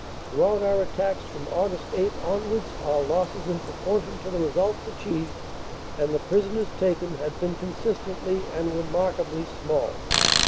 Throughout our attacks from Aug. 8 onwards our losses in proportion to the results achieved and the prisoners taken had been consistently and remarkably small.